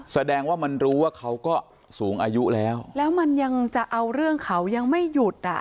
แสดงว่ามันรู้ว่าเขาก็สูงอายุแล้วแล้วมันยังจะเอาเรื่องเขายังไม่หยุดอ่ะ